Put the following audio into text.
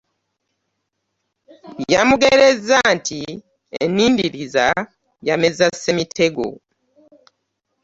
Yamugereza nti ennindiriza yamezza Ssemitego .